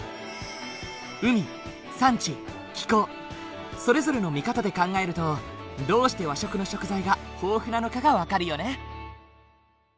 海山地気候それぞれの見方で考えるとどうして和食の食材が豊富なのかが分かるよね。